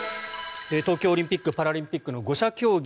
東京オリンピック・パラリンピックの５者協議